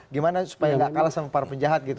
gimana supaya gak kalah sama para penjahat gitu